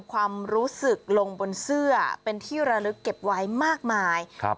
ความรู้สึกลงบนเสื้อเป็นที่ระลึกเก็บไว้มากมายครับ